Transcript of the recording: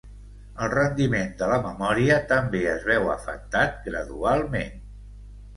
El rendiment de la memòria també es veu afectat gradualment.